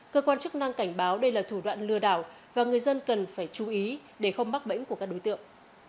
cơ quan chức năng cảnh báo đây là thủ đoạn lừa đảo và người dân cần phải chú ý để không bắt bẫy của các đối tượng